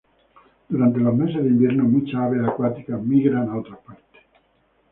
Durante los meses de invierno, muchas aves acuáticas migran a otras partes.